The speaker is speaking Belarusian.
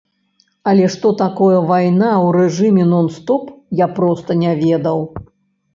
Але што такое вайна ў рэжыме нон-стоп, я проста не ведаў.